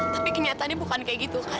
tapi kenyataannya bukan kayak gitu kan